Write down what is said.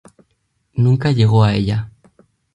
Nunca llegó a ella.